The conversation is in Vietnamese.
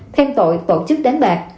thêm tội tổ chức đánh bạc